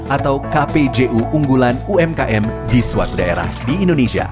atau kpju unggulan umkm di suatu daerah di indonesia